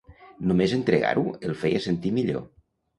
Només entregar-ho el feia sentir millor.